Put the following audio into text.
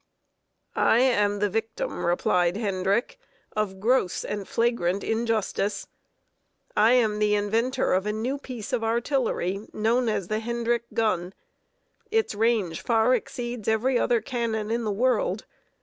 "I am the victim," replied Hendrick, "of gross and flagrant injustice. I am the inventor of a new piece of artillery known as the Hendrick gun. Its range far exceeds every other cannon in the world.